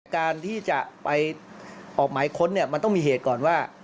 การที่จะไปออกหมายค้นเนี่ยมันต้องมีเหตุก่อนว่า